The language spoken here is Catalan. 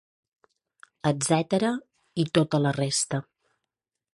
Etcètera, i tota la resta.